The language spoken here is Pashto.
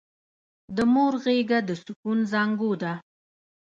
د مور غېږه د سکون زانګو ده!